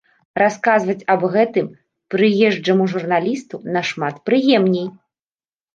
Расказваць аб гэтым прыезджаму журналісту нашмат прыемней.